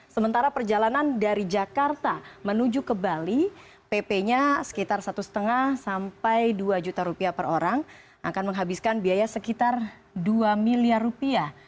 sementara perjalanan dari jakarta menuju ke bali pp nya sekitar satu lima sampai dua juta rupiah per orang akan menghabiskan biaya sekitar dua miliar rupiah